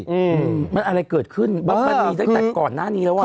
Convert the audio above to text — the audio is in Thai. อืมมันอะไรเกิดขึ้นเพราะมันมีตั้งแต่ก่อนหน้านี้แล้วอ่ะ